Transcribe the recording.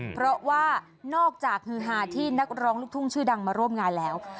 เพราะว่านอกจากฮือฮาที่นักร้องลูกทุ่งชื่อดังมาร่วมงานแล้ว